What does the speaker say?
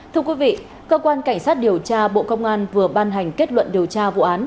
thưa quý vị cơ quan cảnh sát điều tra bộ công an vừa ban hành kết luận điều tra vụ án